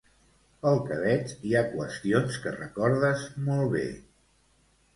Pel que veig hi ha qüestions que recordes molt bé.